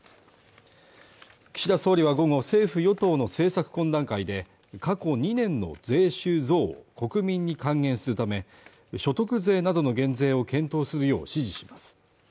岸田総理は午後政府・与党の政策懇談会で過去２年の税収増を国民に還元するため所得税などの減税を検討するよう指示します